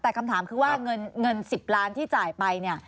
แต่คำถามคือว่าเงิน๑๐ล้านที่จ่ายไปเนี่ย